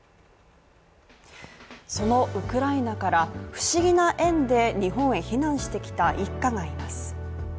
そのウクライナから、不思議な縁で日本へ避難してきた一家がいます。